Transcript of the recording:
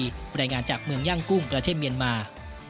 รายงานจากเมืองย่างกุ้งประเทศเมียนมา